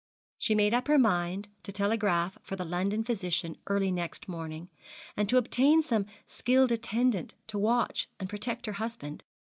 She made up her mind to telegraph for the London physician early next morning, and to obtain some skilled attendant to watch and protect her husband.